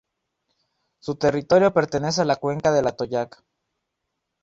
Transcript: Su territorio pertenece a la cuenca del Atoyac.